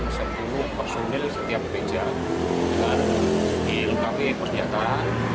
di sini sudah disiapkan sepuluh personel setiap gereja dengan dilengkapi persenjataan